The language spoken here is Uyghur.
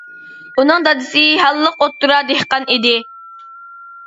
ئۇنىڭ دادىسى ھاللىق ئوتتۇرا دېھقان ئىدى.